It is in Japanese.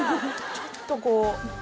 ちょっとこう。